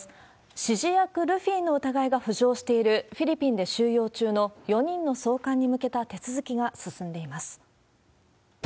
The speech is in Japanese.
指示役、ルフィの疑いが浮上している、フィリピンで収容中の４人の送還に向けた手続きが進んでいます。